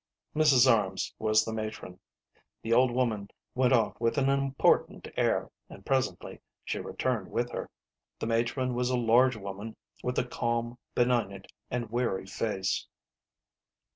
Mrs. Arms was the matron. The old woman went off with an important air, and presently she returned with her. The matron was a large woman with a calm, benignant, and weary face.